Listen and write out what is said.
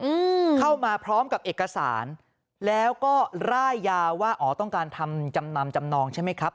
อืมเข้ามาพร้อมกับเอกสารแล้วก็ร่ายยาวว่าอ๋อต้องการทำจำนำจำนองใช่ไหมครับ